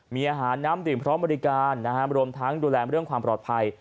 มีอาหารน้ำดื่มพร้อมบริการรวมทั้งดูแลเรื่องความปลอดภัย